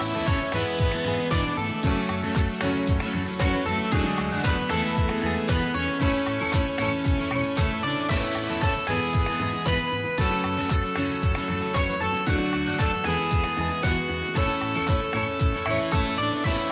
โปรดติดตามตอนต่อไป